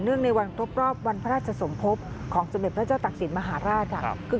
เนื่องในวันรอบวันพระราชสมภพของจำเป็นพระเจ้าตักศิลป์มหาราชค่ะ